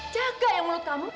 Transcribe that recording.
jaga yang mulut kamu